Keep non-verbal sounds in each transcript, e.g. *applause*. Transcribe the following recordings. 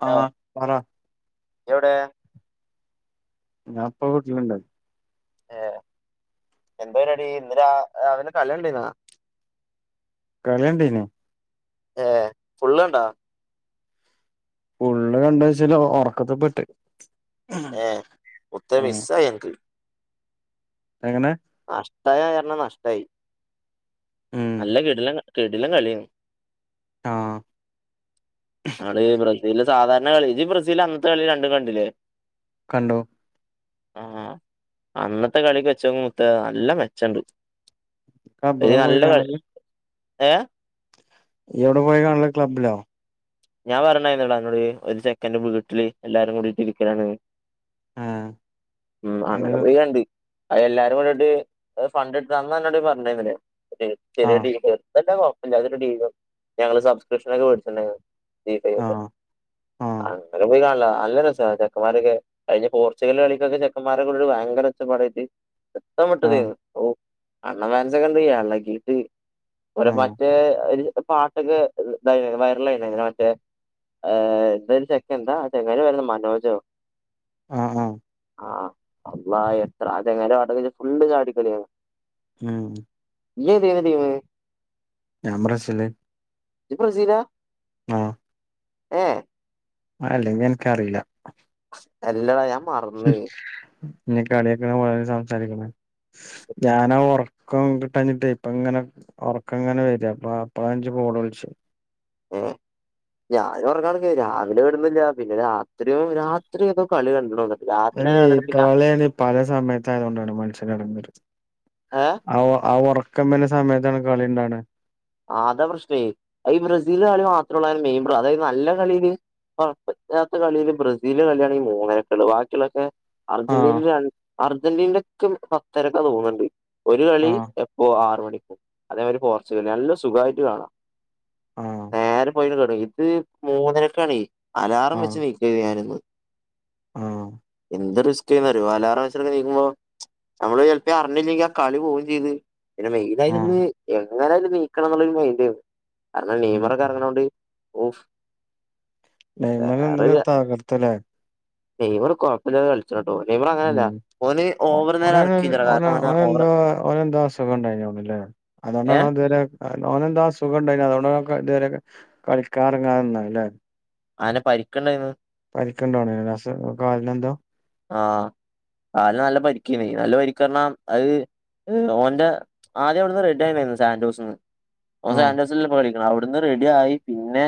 Hello ആ പറ എവിടെ ഞാഇപ്പ വീട്ടിലുണ്ട് ഏ എന്ത പരുവാടി ഇന്ന് രാവിലേ കളി കണ്ടേർന്ന കളിയണ്ടീനി ഏ ഫുള്ള് കണ്ടാ ഫുള്ള് കണ്ടാച്ചല് ഒറക്കത്തിപ്പെട്ട് ഏ ഉത്തമിസ്സായ് എനക്ക് എങ്ങനെ നഷ്ടായ കാരണം നഷ്ടായി ഉം നല്ല കിടിലം കിടിലം കളിയാരുന്ന് ആ ബ്രസീല് സാധാരണ കളി ഇത് ഈ ബ്രസീല് അന്നത്തെ കളി രണ്ടും കണ്ടില്ലേ കണ്ടു ആ അന്നത്തെ കളിക്ക് വെച്ച മുത്ത നല്ല മെച്ചണ്ട് ഒരു ക്ലബ്ബിലാ പോയ് നല്ല കളി കാണല് ഏ എവിടെ പോയി കാണല് ക്ലബ്ബിലോ ഞാൻ പറഞ്ഞായിന്നോളാ അന്നോട് ഒരു ചെക്കൻ്റെ വീട്ടില് എല്ലാരും കൂടിട്ട് ഇരിക്കലാണ്ന്ന് ആഹ് ഉം അന്റെ അങ്ങനെ പോയി കണ്ട് അ എല്ലാരും കൂടിട്ട് ഫണ്ട് എടുത്തന്നോട് പറഞ്ഞാരുന്നേ ചെറിയ ആഹ് *unintelligible* അതല്ല *unintelligible* *unintelligible* ഞങ്ങള് സബ്സ്ക്രിപ്ഷനൊക്കെ മേടിച്ചിട്ടുണ്ടായിരുന്നു *unintelligible* ആഹ് ആഹ് അങ്ങനെ പോയി കാണലാ നല്ല രസാ ചെക്കന്മാരൊക്കെ കഴിഞ്ഞ പോർച്ചുഗല്ല് കളിക്കൊക്കെ ചെക്കന്മാരെ കൂടീട്ട് ഭയങ്കര ഒച്ചപ്പാടായിട്ട് ആഹ് *unintelligible* *unintelligible* ഓ അണ്ണൻ ഫാൻസൊക്കെ എന്ത് ചെയ്യാ അണ്ണാക്കീട്ട് *unintelligible* ആഹ് മറ്റേ പാട്ടൊക്കെ ഇത് വൈറൽ ആയില്ലേ *unintelligible* എന്താ ചെക്കൻന്താ ചങ്ങായീടെ പേര് മനോജോ ആഹ് ആഹ് ആ അള്ളാ എത്ര അത് എങ്ങന *unintelligible* ഫുള്ള് ചാടിക്കളിയാ ഉം നീ ഏതാ ടീമ് ഞാൻ ബ്രസീല് ആ ഏ ആ അല്ലെങ്കി എനിക്കറിയില്ലാ എല്ലടാ *unintelligible* ഇനി കളിയക്കെ സംസാരിക്കണ ഞാനാ ഒറ ഒറക്കം കിട്ടാഞ്ഞിട്ടേ ഇപ്പ ഇങ്ങനെ ഒറക്കം ഇങ്ങനെ വരാ *unintelligible* *unintelligible* വിളിച്ചു ആ ഞാൻ ഒറങ്ങാണെങ്കി രാവിലെ കെടുന്നില്ലാ പിന്നെ രാത്രി രാത്രി ഏതോ കളി *unintelligible* കളി കണ്ടിട്ട് പിന്നെ കളിയാണ് പല സമയത്തായതോണ്ടാണ് മനുഷ്യൻ *unintelligible* ഏഹ് ആ ആ ഒറക്കം വരണ സമയത്താണ് കളിണ്ടാവണേ അതാ പ്രശ്നേ ഈ ബ്രസീല് കളി *unintelligible* മെയിൻ അതായത് നല്ല കളിയിനി ഇപ്പത്തെ കളിയില് ബ്രസീല് കളിയാണെങ്കി മൂന്നരക്കിളള് ബാക്കിയുള്ളൊതൊക്കെ അർജന്റീന ആഹ് ര അർജന്റീ *unintelligible* പത്തരക്കാന്ന് തോന്നണിണ്ട് ഒരു കളി ആഹ് എപ്പോ ആറ് മണിക്ക് അതേമാരി പോർച്ചുഗൽ നല്ല സുഖമായിട്ട് കാണാം ആഹ് നേരം *unintelligible* ഇത് മൂന്നരക്കാ കളി അലാറം ആഹ് വെച്ച് *unintelligible* ആഹ് എന്ത് റിസ്ക് ഒരു അലാറം വെച്ചൊക്കെ നിക്കുമ്പോ നമ്മള് ചിലപ്പോം അറിഞ്ഞില്ലെങ്കി ആ കളി പോവുകേം ചെയ്ത് *unintelligible* ആഹ് മെയിലായിരുന്ന് എങ്ങനേലും നീക്കണം എന്നുള്ളൊരു മൈൻഡാണ് *unintelligible* ഉം നെയ്റൊക്കെ ഇറങ്ങണോണ്ട് ഓഫ് ഡൈമൻ ഇന്നലെ തകർത്തല്ലേ നെയ്മറ് കൊഴപ്പില്ലാതെ കളിച്ച ഉം ഒ നേരം ഓന് ഇറക്കിയില്ലടാ കാരണം ഓന് ഓവർ ഓനെന്തോ ഓനെന്തോ അസുഖണ്ടായി ല്ലെ ഏ അതോണ്ടാണോ ഇതുവരെ *unintelligible* എന്താ അസുഖം ഉണ്ടായി അതുകൊണ്ടൊക്കെ ഇതുവരെെ കളിക്കാനിറങ്ങന്നാല്ലേ ആനെ പരിക്കണ്ടായിന്ന് *unintelligible* *unintelligible* ഓന്റെ ആദ്യം അവിടുന്ന് റെഡ്യിന ആായിരുന്നു സാന്ൻഡോസ്ന്ന് ഓ ആഹ് സാൻഡോസി കളിക്ക്ണത് ഇവിട്ന്ന് റെഡി ആയി പിന്നെ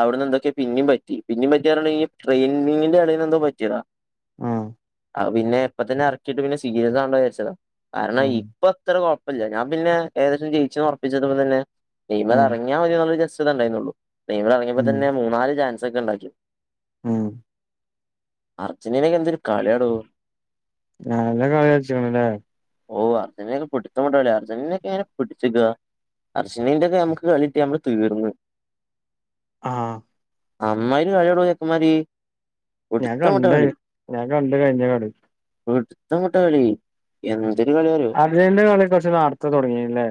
അവിടുന്ന് എന്തൊക്കെയ പിന്നും പറ്റി പിന്നും പറ്റി. ട്രെയിനിിന്റെ അടയിൽന്ന്ന്തോ പറ്റിയതാ ആഹ് ആ പിന്നെ എപ്പ തന്നെ ഇറക്കിയിട്ട് പിന്നെ സീരിയസ്ാണ്ടോ വിചരിച്ചതാ കാരണം ഉം ഇപ്പൊ അത്ര കുഴപ്പില്ല ഞാൻ പിന്നെ ഏകദേശം ജയിച്ച ഉറപ്പിച്ചത്പ്പോലെ തന്നെ ടീമിന് ഉം അറങ്ങിയ മതി ജസ്റ് ഇതേണ്ടയിരുന്നുള്ളു ടീമിന്ന് ഉം ഇറങ്ങിയപ്പതന്നെ മൂന്നാല് ചാൻസ് ഒക്കെ ഉണ്ടാക്കി ഉം അർജന്റീനക്ക് എന്തൊരു കളിയാടോ നല്ല കളി കളിച്ച്ക്ക് ണല്ലേ ഓ അർജന്റീന ഒക്കെ പിിടുത്തമിട്ട കളിയാണ് അർജൻ്റീന ഒക്കെ പിടിച്ച് നീക്കാ അർജന്റീന ഒക്കെ നമ്മുക്ക് കളിട്ട് നമ്മള് തീർന്നു ആഹ അമ്മാര് കഴിവുള്ള ചെക്കമാരി. ഞാൻ കണ്ട് ഞാൻ കണ്ട് കഴിഞ്ഞ കാട് പിടുത്തം വിട്ടകളി. ഉം അർജന്റീന കളി കുറച്ച് നേർത്തേ തുടങ്ങീന്ല്ലേ.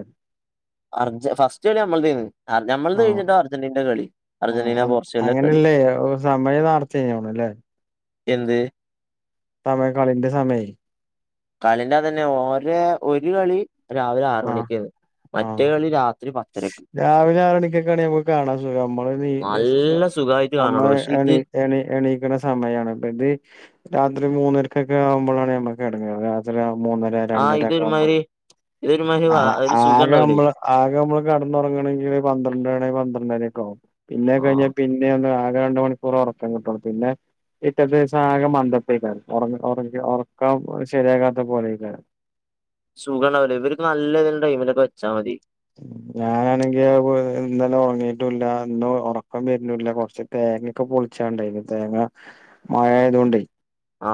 അർജ ഫസ്റ്റ് കളി നമ്മളേതേര്ന്നു അർജ നമ്മൾ ത ആഹ് കഴിഞ്ഞിട്ടാ അർജന്റ് ന്റെ കളി അർജൻ്റീന പോർച്ചുഗൽ ലെ കളി. അല്ലേ സമയം നാർത്തേന്നുതോണ് നല്ലെ. എന്ത്. സമയക്കളിന്റെ സമയെ. കളിന്റെ അത് തന്നെ ഓരെ ഒരു കളി രാവിലെ ആറ് ആഹ് മണിക്ക് ആണ് ആഹ് മറ്റേ കളി രാത്രി പത്തരക്ക്. *unintelligible* നമ്മക്ക് കാണാൻ സുഖാ ഞമ്മള് നല്ല *unintelligible* സുഖായിട്ട് കാണോടോ നമ്മള് പക്ഷെ ഇത് എണീ എണീ എണീക്ണ സമയാണ് ഇപ്പ ഇത് രാത്രി മൂന്നരക്ക് ക്കാവുമ്പാളാണ് നമ്മക്ക് എടങ്ങേറ് രാത്രി മൂന്നര, ആ രണ്ടര കാവുമ്പൾ ഇതൊരുമാതിരി ഇതൊരുമാതിരി വ ആ ഒരു സുഖം ആകെ ഉണ്ടാവൂലേ അമ്മള് ആകെ അമ്മള് കട്ന്നോറങ്ങണങ്കി പന്ത്രണ്ടണി പന്ത്രണ്ടരക്കെ ആവും പിന്നെ ആ കഴിഞ്ഞാ പിന്നെ ഒന്ന് ആകെ രണ്ട് മണിക്കൂറ് ഒർക്കം കിട്ടൊള്ളൂ പിന്നെ പിറ്റത്തെ ദിവസം ആകെ മന്ദപ്പേക്കാരം ഒർ ഒർ ഒർക്കം ശരിയാകാത്ത പോലെ യ്ക്കാരം *unintelligible* ഇവർക്ക് നല്ല ഏതേം ടൈമിലൊക്കെ വെച്ചാ മതി ഞാനാണെങ്കി ഇന്നലെ ഒർങ്ങിട്ടുല്ല ഇന്ന് ഒർക്കം വെര്നൂല്ല കോർച്ച് തേങ്ങൊക്കെ പൊൾ ച്ചാണ്ടായ്ന്നു തേങ്ങ മഴ ആയതുകൊണ്ടെ ആ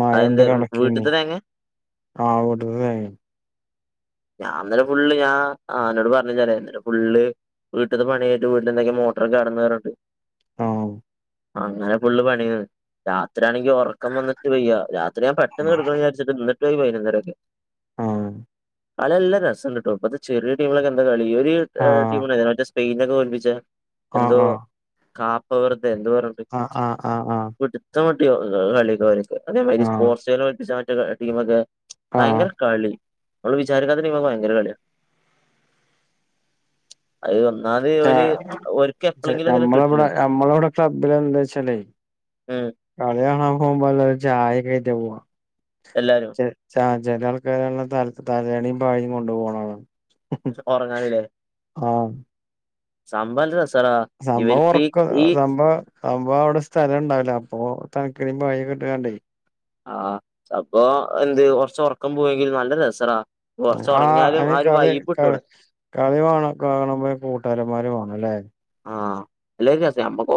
മഴെണ്ട് അതെന്താ കെടക്കെനി വീട്ടിത്തെ തേങ്ങ *unintelligible* ഞാ ഇന്നലെ ഫുള്ള് ഞാ അനോട് പർഞ്ഞില്ലല്ലേ ഇന്നട്ട് ഫുള്ള് വീട്ട്‌ത്തെ പണി കഴിഞ്ട്ട് വീട്ടിലെന്തെക്കെ മോട്ടറ് കേടന്നു പർഞ്ട്ട് ആഹ് അങ്ങനെ ഫുള്ള് പണെന്ന് രാത്രിയാണെങ്കി ഒർക്കം വന്ന്ട്ട് വെയ്യാ രാ ത്രി ഞാൻ പെട്ടെന്ന് കെടക്കെണംന്ന് വിചാരിച്ചിട്ട് ഇന്നട്ടും ആഴി പയ്നൊന്നരോക്കെ ആഹ് അതല്ല രസണ്ട്ട്ടൊ ഇപ്പത്തെ ചെറിയ ടീമ്നോക്കൊ എന്താക്കളി ഒര് ആഹ് ടീമ്നെ സ്പെയ്നെ തോൽപ്പിച്ചെ ആഹ് ആഹ് കാപ്പ വെർതെ എന്തോ പർഞ്ട്ട് ആഹ് ആഹ് ആഹ് പ്ട്ത്തമി *unintelligible* അതെ മയ്രി ആഹ് സ്പ്പോർച്ച് കല്ല് *unintelligible* ഭയങ്കര കളി വി വിചാരിക്കാത്ത ടീമോക്കെ ഭയങ്കര കള്ള്യ അഹ് ച്ച നമ്മളെ കിട്ട്ണ്. ഇബടെ നമ്മളെ ഇബടെ ക്ളബില്ല് എന്തോയ്ച്ചാല്ലേ ഉം കളി കാണാൻ പോവുമ്പോ എല്ലാരും ചായക്കെയ്റ്റാ പോവാ എല്ലാരും *unintelligible* ചെല ആൾക്കാരാണ് തല തലയണിം പായിം കൊണ്ട് പോണഹ് ഒർങ്ങാന്ലെ ആഹ് സംഭവം നല്ലരസാ സംഭവം ഒറക്ക സംഭവ സംഭവ അവിടെ സ്ഥലം ണ്ടാവ് ല അപ്പൊ തൺകനിം പായിം കെ ട്ടാണ്ടേ ആഹ് അപ്പോ എന്ത് കൊർച് ഒർക്കം പോയെങ്കിൽ നല്ല രസറാ ആഹ് അന് കളി കള അവിടെ കളി വാണ കാണണ കൂട്ടാരന്മാരു ആലേ ആഹ് ല്ല ഒരു രസ യമ്മക്കൊ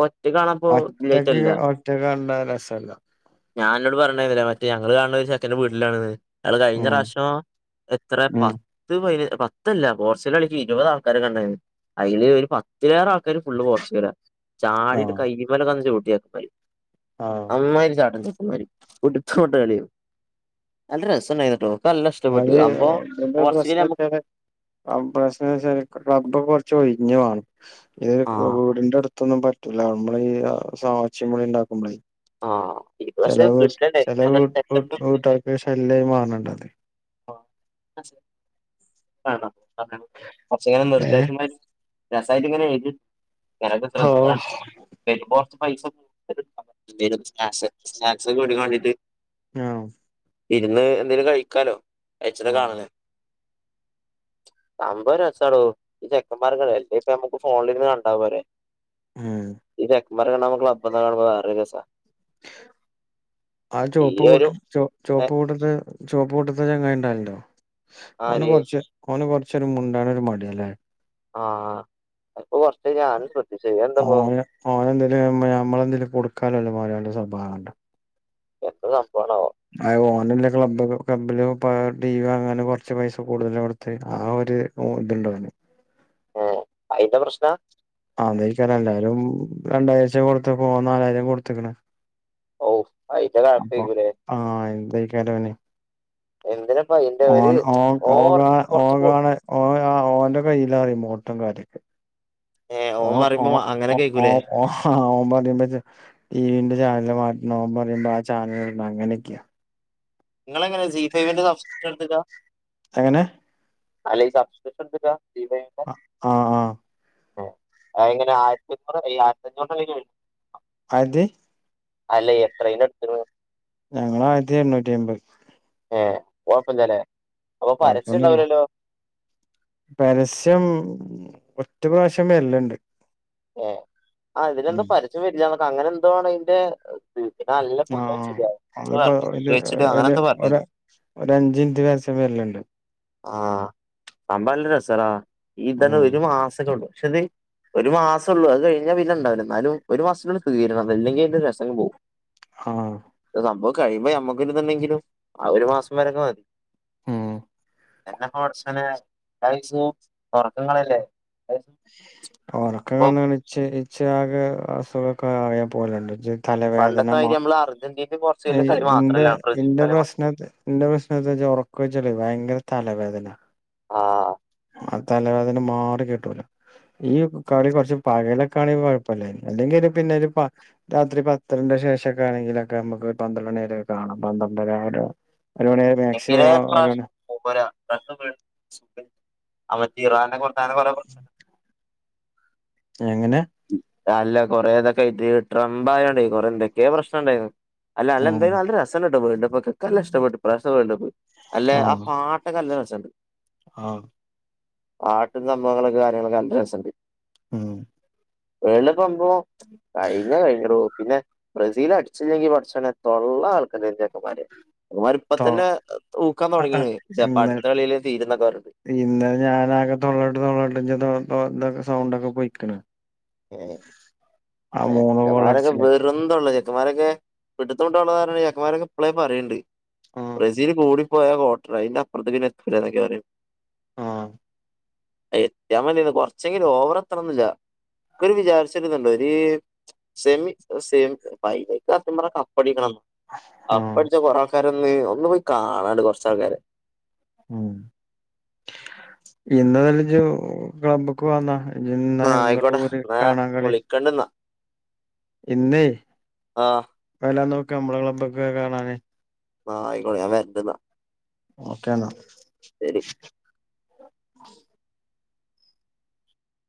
ഒറ്റക്ക് ഒറ്റക്ക് കണ്ട രസല്ല ഞാൻ അന്നോട് പറഞ് *unintelligible* മറ്റ് ഞങ്ങള് കാൺണെ ഒരു ചെക്കന്റെ വീട്ടിലാണ്ന്ന് അയാൾ കഴിഞ്ഞ ഉം റാശ്യം എത്ര ഉം പത്ത് പയ് പത്തല്ല പോർച്ചുഗൽ കളിക്ക് ഇരുപത് ആൾക്കാരന്നെ ണ്ടായിന്നു അയില് ഒരു പത്തിലേറെം ആൾക്കാര് ഫുള്ള് പോർച്ചുഗലാ. ചാടിട്ട് ആഹ് കയ്യ്മല കന്ന് ചൗട്ടി *unintelligible* ആഹ് അമ്മായിരി ചാട്ടൻ ച *unintelligible* എന്ത്ര് രസംണ്ടായിന്ന് ട്ടോ *unintelligible* *unintelligible* നമ്മക്ക് ഇത് കൊ ആഹ് വീടിന്റെ അടു ത്തോന്നും പറ്റുല്ല അമ്മളീ സാ ച്ചിം വിളി ണ്ടാക്കുമ്പളേ ആഹ് ഇത് ചില പക്ഷെ വീട്ടിലുണ്ടായിരുന്നു ഇപ്പൊ എന്നിട്ട് പെട്ടെന്ന് ചിലവീട്ടർക്ക് ശല്യമായി മാറണ്ടത് ആണ കുച്ചങ്ങനെ ഏഹ് നിർദ്ദേശമായി രസമായിട്ട ഇങ്ങനെ എഴുക്ക് ആഹ് ശ്രദ്ധിക്കെോ പൈസ സ്നാക്സ് ഒക്കെ എടാൻ വണ്ടിട്ട് ആഹ ഇരുന്ന് എന്തേിലും കഴിക്കാലോ കഴിച്ചിട്ട കാണുന്ന സംഭവം രസാടോ ഈ ചെക്കൻമാർഗ അല്ലേ ഇപ്പ നമുക്ക് ഫോണിലിരുന്ന് കണ്ടാവ പോരെേ ഉം ഇതക്ക് മരക നമക്കള ബന്താ കാണ്പ അദസ ആ ചുവപ്പ് കൂട്ട ചുവപ്പ് ഏഹ് കൂട്ടട്ട ചുവപ്പ് കൂട്ടത്ത ഞാൻ കഴിണ്ടല്ലോ ഓ ആര് കൊറച്ച് ഓന് കൊറച്ചൊരു മുണ്ടണ ഒരു മടില്ലേ ആഹ അപ്പൊ കുറച്ച് ഞാനും- ശ്രദ്ധിച്ചു ഇതെന്താപ്പോ ഓന് ഓന എന്തേലും ഞമ്മളെന്തേലും കൊടുക്കാലല്ലോ ഒരയാളുടെ സ്വഭാവം ഉണ്ടോ എന്ത് സംഭവാണാവോ ഓനെ അല്ലേ ക്ലബ്ബ ക്ലബ്ബിൽ പാർട്ടി ടി വി വാങ്ങാൻ കുറച്ച് പൈസ കൂടുതലും എടുത്ത് ആ ഒരു ഇതുണ്ടാവാണ് ആ അയിന്റെ പ്രശ്നാ? ആതിക്കാര എല്ലാരും രണ്ടാഴച കൊടുത്ത പോവാ നാലായിരം കൊടുത്തക്കണ് ഓ അയിട്ട കാ ആത്തക്കറേ എന്തിനപ്പ അയിന്റെ ഓ ഒരു ഓ ഓ ഓവർ ഓ കൊറച്ച് കൂ ഓ ആ ഓന്റെ കയ്യിലാ റിമോട്ടും കാര്യൊക്കെ ഏ ഓ ഓൻ ഓ പറയുമ്പോ മ- അങ്ങനെ ഓ കേക്കൂലേ ഓ പറയുമ്പോ ടി വിന്റെ ചാനല് മാറ്റ പറയുമ്പോ ആ ചാനൽ അങ്ങനെയൊക്കെയാ നിങ്ങ എങ്ങനെയാ സി ഫൈവിന്റെ എടുട്ടാ എങ്ങനെ? അല്ലസാഫണ്ട്ക്ക ആഹ ആഹ! എങ്ങനെ ആയിരത്തിഞ്ഞൂറ് ആയിരത്തി അഞ്ഞൂറിിലുംല്ല അത അല്ല എത്രന എടുത്ത? ഞങ്ങള ആയിരത്തി എണ്ണൂറ്റി അമ്പത് ഏ് ഓപ്പൻ തല കൊഴപ്പൊന്നല്ലോ പരസ്യം ഒറ്റ പ്രാവശ്യം വരലിണ്ട് ഏ ആ ഇതിനലെന്താ പരസ്യം വരില്ലക്കെ അങ്ങനെ എന്തോാണ് അതിന്റെ- ആഹ നമ്മളപ്പോ ഫുള്ള് എച്ച് ഡി അങ്ങനെ എന്തോ പറഞ്ഞ് ഒരു അഞ്ചച് വച്ച വരലിണ്ട് ആഹ സംഭവല്ലല്ലസാറാ ഈ ഇതന്നെ ഉം ഒരു മാസക്ക ഉണ്ട് പക്ഷെ ഇത് ഒരു മാസം ഉള്ളൂ അത് കഴിഞ്ഞാൽ വിലണ്ടാവില്ല എന്നാലും ഒരു മാസത്തിലുള്ള സ്ുീകരണം അല്ലെങ്കിൽ അതിന്റെ രസംഗം പോകവും ആഹ സംഭ കഴിയുമ്പോ നമ്മക്കുണ്ടെങ്കിലും ആ ഒരു മാസം വരൊക്കെ മതി ഉം എന്നെ കൊച്ചനെ കൈസും ഉറക്കങ്ങളല്ലേ റക്കെ കണച്ച ഇച്ച ആകെ അസുഖൊക്കെ അറിയാൻ പോലണ്ട് തലവേദന പണ്ടത്തെ മാ മാതിരി നമ്മള് അർജന്റീനയും പോർച്ചുഗലും കളി ന്റെ മാത്രല്ല ബ്രസീൽ എന്റെ കളി പ്രശ്ന എന്റെ പ്രശ്നത്തെ വെച്ച ഉറക്ക വെച്ചളേ ഭയങ്കര പത്തല്ല വദല്ല ആഹ ആ തലവേദന് മാറി കിട്ടൂലോ ഈക്കളി കുറച്ചച്ച് പകലൊക്കെ ആങ്ക കുഴപ്പമില്ല അല്ലെങ്ക പിന്നെ ഒരു രാത്രി പത്തിണ്ട ശേഷമ ഒക്കെ ആണെങ്കിലൊക്കെ നമുക്ക് ഒരു പന്ത്രണ്ട്ണ നേര കാണാം പന്ത്രണ്ടര ഒരു മണി വരെ എനെ മാക്സിമം ഒരു മണി പ്രാവശനം രറ്റ ഇറാനെ കുറച്ച് പറ പ്ര *unintelligible* അങ്ങനെ അല്ല കൊറേതൊക്കെ ഇട്ട് ട്രംപായണ്ട കൊറെേ എന്തൊക്കെയെ പ്രശ്നംുണ്ടായിരുന്നു അല്ല അല്ല ആഹ് എന്തായാലും അത് രസന ഇട്ട പോയിണ്ടണ്ട്പ്പൊ കക്കല്ല ഇഷ്ടപ്പെട്ട് പ്രസണ്ടണ്ട് പോയി അല്ലെ ആ പാട്ടൊക്കെ അല്ല വെച്ചണ്ട് ആഹ ആാട്ടും സംഭവങ്ങളൊക്കെ കാര്യങ്ങളൊക്കെ നല്ല രസമുണ്ട് ആഹ വെള്ളമ്പോ കഴിഞ്ഞ കഴിഞ്ഞറ പിന്നെ ബ്രസീൽ അടിച്ചെങ്കി പഠക്ഷനെ തൊള്ള ആൾക്കാക്കമാര് അമാര്പ്പ തന്നെ ഊക്കാൻ ആഹ് തുടങ്ങിയ ആഹ് ചപ്പോ അടുത്ത കളിയിയില് തീരുന്നൊക്കെ വരുണ്ട് ഇന്ന ഞാനാകെ തൊള്ളോട്ട് തൊള്ളോട്ട്ഞ്ച ഇൊക്കെ സൗണ്ടൊക്കെ പൊയിക്കണ ഏ ചെക്കമാരൊക്കെ ഗോളടിച്ചില്ലേ വെറുംതള്ള ചെ ചക്കന്മാരൊക്കെ പിട്ടത്തിട്ടള്ളതാരണ ചക്കന്മാരൊക്കെ ഇളേ പറയുന്നുണ്ട് ബ്രസീൽ കൂടി ോട്ടറ ഇാപ്പറത്തക്കെ എ കേെവ ആഹ് എത്തിയാാൻ മതിന്ന് കൊറച്ചെങ്കിലും ഓവർ എത്തണംെന്നില്ല വിചാരിച്ചരുതുണ്ടോര് സെമി സെമ പൈക്ക് അത്യം പറ കപ്പടിക്കണംെന്ന അപ്പഴച്ചാ കൊറ ആൾക്കാര ഒന്ന് ഒന്ന്ു പോയി കാണാണ്ട് കൊറച്ചാൾക്കാര് ഉ ഇന്നതല ജ ക്ലബക്ക് വന്നാ ന്നാ ആയിക്കോട്ടെ ങ്ങോട്ട് ൂര് ന്നാ കാണാ കളി വിളിക്കണ്ട്ന്നാ ഇന്ന്േ ആഹ് വല്ല നോക്കി നമ്മള ക്ലബ്ബ ഒക്കെ കാണാന് ന്നാ ആയിക്കോട്ടെ ഞാൻ വരണ്ട്ന്നാ ഓക്കേെന്നാ ശരി ഉ *unintelligible*